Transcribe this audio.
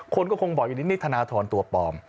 คนก็คงบอกว่านี่นี่ทันาธรรณ์ตัวปลอม